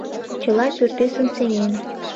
Чыла пӱртӱсым сеҥен.